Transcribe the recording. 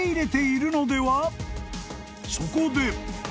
［そこで］